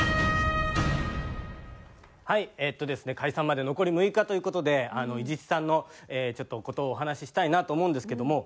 はいえっとですね解散まで残り６日という事で伊地知さんの事をお話ししたいなと思うんですけども。